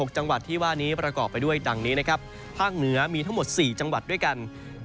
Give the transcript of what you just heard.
๖จังหวัดที่ว่านี้ประกอบไปด้วยดังนี้นะครับภาคเหนือมีทั้งหมด๔จังหวัดด้วยกัน